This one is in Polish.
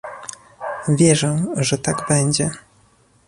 Wierzę, że tak będzie